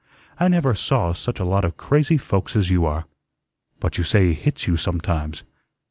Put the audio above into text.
I never saw such a lot of crazy folks as you are." "But you say he hits you sometimes."